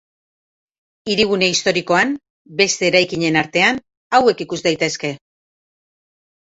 Hirigune historikoan beste eraikinen artean hauek ikus daitezke.